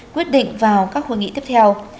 quyết định vào các hội nghị tiếp theo